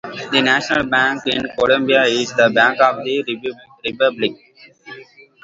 The national bank in Colombia is the Bank of the Republic.